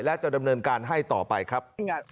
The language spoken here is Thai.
และจะดำเนินการให้ต่อไปครับ